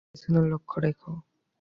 পেছনে লক্ষ্য রেখো।